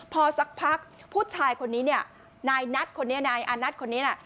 พอสักพักผู้ชายคนนี้เนี่ยนายนัทคนนี้นายอานัทคนนี้น่ะ